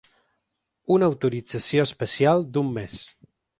Una autorització especial d’un mes.